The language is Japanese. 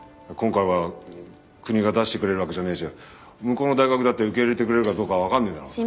今回は国が出してくれるわけじゃねえし向こうの大学だって受け入れてくれるかどうかわかんねえだろ。